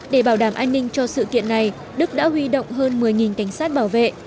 để bảo đảm an ninh cho sự kiện này đức đã huy động hơn một mươi cảnh sát bảo vệ